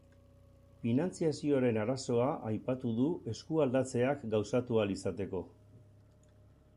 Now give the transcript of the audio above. Finantziazioaren arazoa aipatu du eskualdatzeak gauzatu ahal izateko.